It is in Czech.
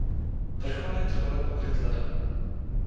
Vrchol je trvale pokryt ledem.